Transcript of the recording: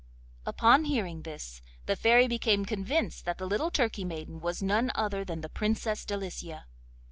Upon hearing this the Fairy became convinced that the little Turkey maiden was none other than the Princess Delicia.